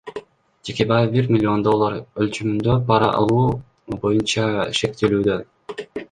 Текебаев бир миллион доллар өлчөмүндө пара алуу боюнча шектелүүдө.